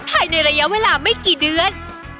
ภายในระยะเวลาไม่กี่เดือน